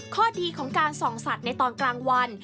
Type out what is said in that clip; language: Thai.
ข้อดีของการส่องสัตว์ในตอนกลางวัน